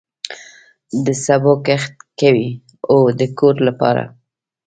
د سبو کښت کوئ؟ هو، د کور لپاره